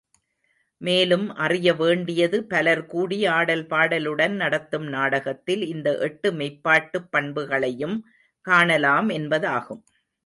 மேலும் அறியவேண்டியது பலர் கூடி ஆடல் பாடலுடன் நடத்தும் நாடகத்தில் இந்த எட்டு மெய்ப்பாட்டுப் பண்புகளையும் காணலாம் என்பதாகும்.